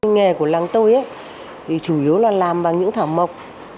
nghề của làng tôi chủ yếu là làm bằng những thảo mộc